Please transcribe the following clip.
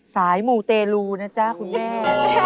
สายหมูเตรูนะจ๊ะคุณแม่